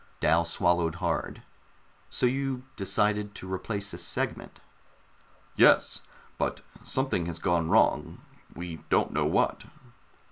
Dal swallowed hard. "So you just decided to replace a segment." "Yes. But something has gone wrong, we don't know what."